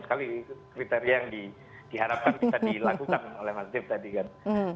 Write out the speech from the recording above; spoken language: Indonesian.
sekali kriteria yang diharapkan bisa dilakukan oleh mazif tadi kan